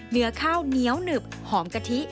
เนื้อข้าวเหนียวหนึบหอมกะทิ